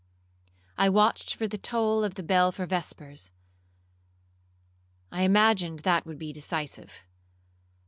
I watched for the toll of the bell for vespers,—I imagined that would be decisive.